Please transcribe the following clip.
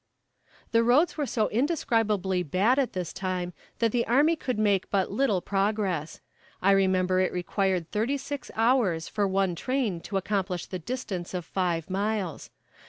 The roads were so indescribably bad at this time that the army could make but little progress. I remember it required thirty six hours for one train to accomplish the distance of five miles.